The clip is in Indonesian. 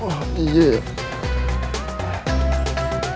saya juga ngantuk